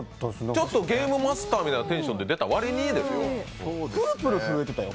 ちょっとゲームマスターみたいなテンションで出た割にですよ。